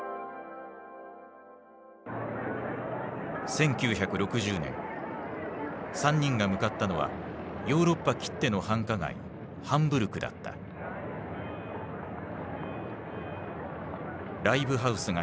１９６０年３人が向かったのはヨーロッパきっての繁華街ライブハウスがひしめく